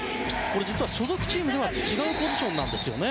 実は、所属チームでは違うポジションなんですよね。